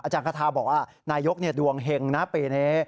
อาจารย์กระทาบอกนายกดวงเห็งนะปีนี้